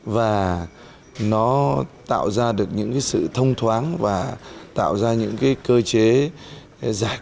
và nó tạo ra được những cái sự thông thoáng và tạo ra những cái cơ chế giải quyết được những cái vướng mắt ách tắc